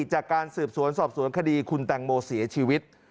จากการสืบสวนสอบสวนคดีคุณแตงโมเสียชีวิต